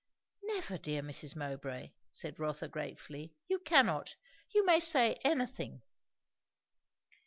"Never, dear Mrs. Mowbray!" said Rotha gratefully. "You cannot. You may say anything."